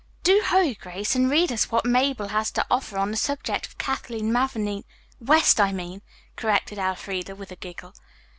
"Do hurry, Grace, and read us what Mabel has to offer on the subject of Kathleen Mavourneen West, I mean," corrected Elfreda with a giggle.